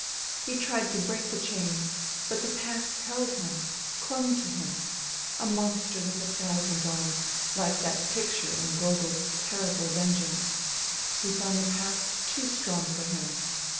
He tried to break the chains, but the past held him, clung to him, a monster with a thousand arms, like that picture in Gogol's Terrible Vengeance, He found the past too strong for him.